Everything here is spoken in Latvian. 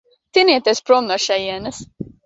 Tinieties prom no šejienes.